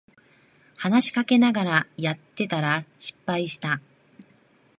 話しかけられながらやってたら失敗した